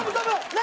何？